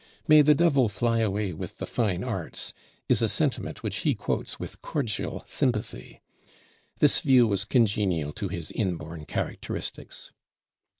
"May the devil fly away with the fine arts" is a sentiment which he quotes with cordial sympathy. This view was congenial to his inborn characteristics.